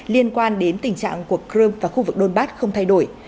liên quan đến tình trạng của crimea và khu vực đôn bát không thay đổi